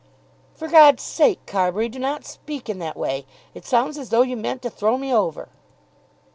"For God's sake, Carbury, do not speak in that way. It sounds as though you meant to throw me over."